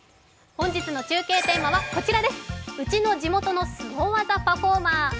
本日の中継テーマはこちらです、「うちの地元のスゴ技パフォーマー」